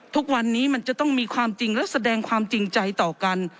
ทุกวันนี้มันจะต้องมีความจริงและแสดงความจริงใจต่อกัน